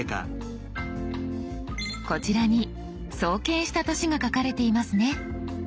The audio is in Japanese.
こちらに創建した年が書かれていますね。